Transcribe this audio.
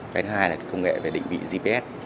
thứ hai là công nghệ định vị gps